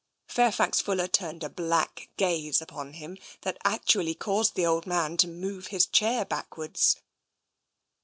Fairfax Fuller turned a black gaze upon him that actually caused the old man to move his chair back wards.